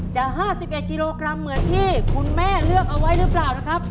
๕๑กิโลกรัมเหมือนที่คุณแม่เลือกเอาไว้หรือเปล่านะครับ